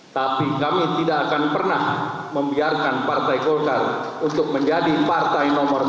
tapi kami tidak akan pernah membiarkan partai golkar untuk menjadi partai nomor dua